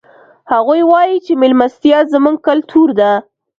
هغوی وایي چې مېلمستیا زموږ کلتور ده